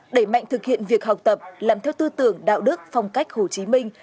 đẩy mạnh thực hiện việc học tập làm theo tư tưởng đạo đức phong cách hồ chí minh